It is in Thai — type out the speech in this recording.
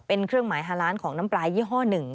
เป็นเครื่องหมายฮาล้านของน้ำปลายี่ห้อหนึ่ง